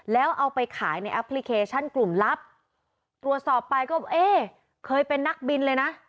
แล้วเอาไปขายในแอปพลิเคชันกลุ่มลับตรวจสอบไปก็เอ๊ะเคยเป็นนักบินเลยนะ